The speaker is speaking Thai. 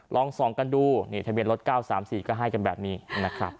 ลองส่องกันดูนี่ทะเบียนรถ๙๓๔ก็ให้กันแบบนี้นะครับ